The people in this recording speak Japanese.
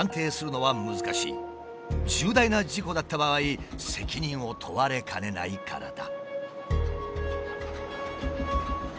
重大な事故だった場合責任を問われかねないからだ。